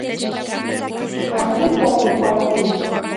Machitlaj, tejuatsin